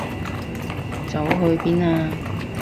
走去邊啊？